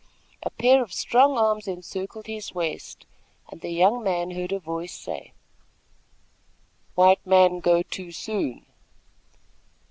A pair of strong arms encircled his waist, and the young man heard a voice say: "White man go too soon!"